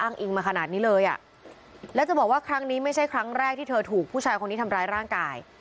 อิงมาขนาดนี้เลยอ่ะแล้วจะบอกว่าครั้งนี้ไม่ใช่ครั้งแรกที่เธอถูกผู้ชายคนนี้ทำร้ายร่างกาย